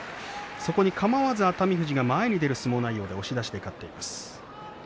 そこにかまわず熱海富士が前に出る相撲で押し出して勝っています。